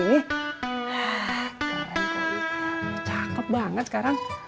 keren po ii cakep banget sekarang